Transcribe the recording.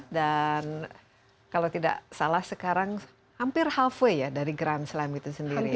dan kalau tidak salah sekarang hampir half way ya dari grand slam itu sendiri ya